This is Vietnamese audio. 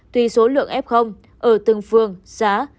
tùy số lượng f ở từng phương giá